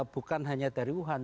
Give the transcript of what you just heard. bukan hanya dari wuhan